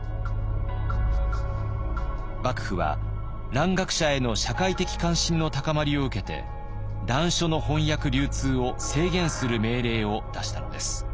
幕府は蘭学者への社会的関心の高まりを受けて蘭書の翻訳流通を制限する命令を出したのです。